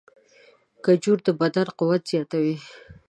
کجورې د بدن قوت زیاتوي.